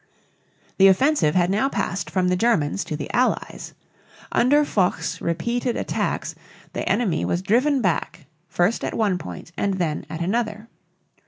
The offensive had now passed from the Germans to the Allies. Under Foch's repeated attacks the enemy was driven back first at one point and then at another.